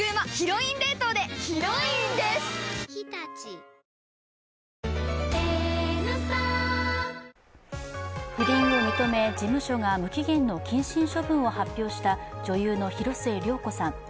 岡山県庁、県議会議場不倫を認め、事務所が無期限の謹慎処分を発表した女優の広末涼子さん。